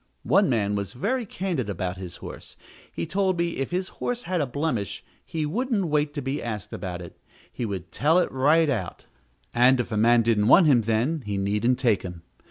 One man was very candid about his horse: he told me, if his horse had a blemish, he wouldn't wait to be asked about it; he would tell it right out; and, if a man didn't want him then, he needn't take him.